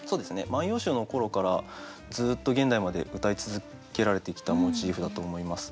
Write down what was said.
「万葉集」の頃からずっと現代までうたい続けられてきたモチーフだと思います。